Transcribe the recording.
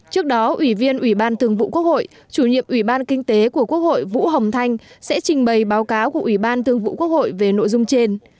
trước đó ủy viên ủy ban thường vụ quốc hội chủ nhiệm ủy ban kinh tế của quốc hội vũ hồng thanh sẽ trình bày báo cáo của ủy ban thường vụ quốc hội về nội dung trên